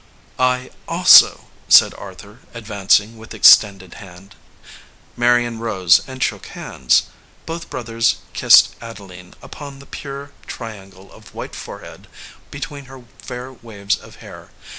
"I also," said Arthur, advancing with extended hand. Marion rose and shook hands. Both broth ers kissed Adeline upon the pure triangle of white forehead between her fair waves of hair.